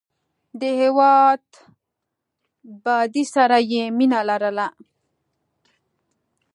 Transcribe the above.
د هېواد بادۍ سره یې مینه لرله.